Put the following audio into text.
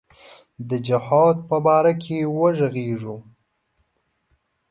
د جهاد په باره کې وږغیږو.